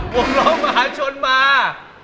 ผมร้องมหาชนมา